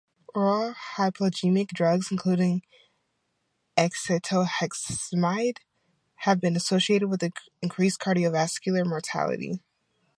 Oral hypoglycemic drugs, including acetohexamide, have been associated with increased cardiovascular mortality.